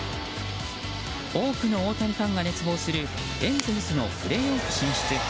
多くの大谷ファンが熱望するエンゼルスのプレーオフ進出。